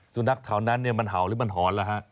สุนัขเท่านั้นมันเห่าหรือมันหอนล่ะฮะ